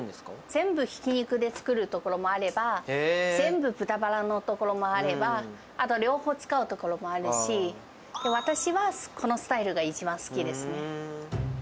全部ひき肉で作るところもあれば、全部豚バラのところもあれば、あと、両方使うところもあるし、私はこのスタイルが一番好きですね。